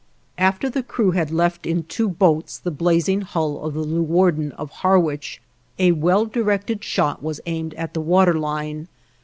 After the crew had left in two boats the blazing hull of the "Leuwarden" of Harwich, a well directed shot was aimed at the water line.